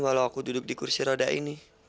kalau aku duduk di kursi roda ini